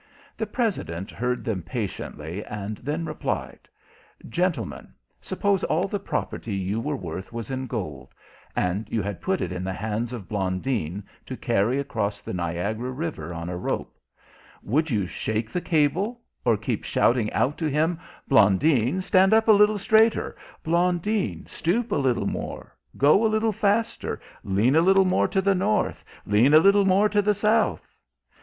The President heard them patiently, and then replied: "Gentlemen, suppose all the property you were worth was in gold, and you had put it in the hands of Blondin to carry across the Niagara River on a rope, would you shake the cable, or keep shouting out to him, 'Blondin, stand up a little straighter Blondin, stoop a little more go a little faster lean a little more to the north lean a little more to the south?'